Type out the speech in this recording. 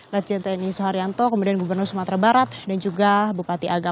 lecinteni soeharyanto kemudian gubernur sumatera barat dan juga bupati aga